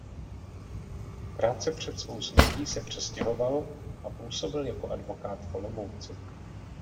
Krátce před svou smrtí se přestěhoval a působil jako advokát v Olomouci.